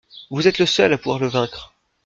Vous êtes le seul à pouvoir le vaincre.